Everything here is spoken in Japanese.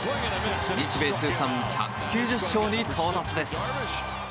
日米通算１９０勝に到達です。